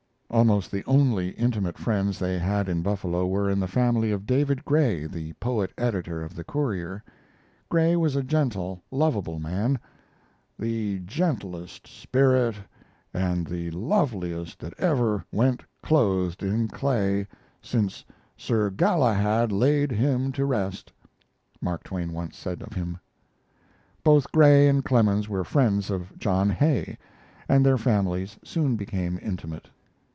Almost the only intimate friends they had in Buffalo were in the family of David Gray, the poet editor of the Courier. Gray was a gentle, lovable man. "The gentlest spirit and the loveliest that ever went clothed in clay, since Sir Galahad laid him to rest," Mark Twain once said of him. Both Gray and Clemens were friends of John Hay, and their families soon became intimate.